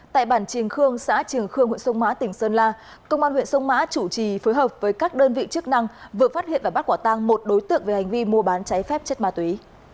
tại bản trường khương xã trường khương huyện sông mã tỉnh sơn la công an huyện sông mã chủ trì phối hợp với các đơn vị chức năng vừa phát hiện và bắt quả tang một đối tượng về hành vi mua bán cháy phép chất ma túy